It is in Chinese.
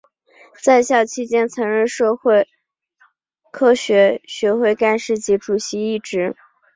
在校期间曾任社会科学学会干事及主席一职。